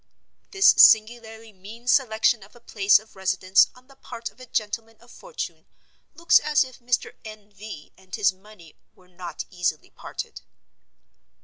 This singularly mean selection of a place of residence on the part of a gentleman of fortune looks as if Mr. N. V. and his money were not easily parted.